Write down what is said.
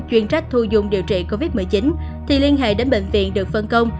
chuyên trách thu dung điều trị covid một mươi chín thì liên hệ đến bệnh viện được phân công